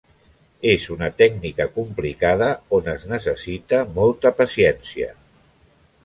És una tècnica complicada on es necessita molta paciència.